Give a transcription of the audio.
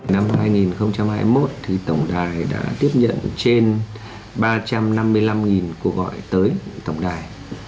năm hai nghìn hai mươi một tổng đài đã tiếp nhận trên ba trăm năm mươi năm cuộc gọi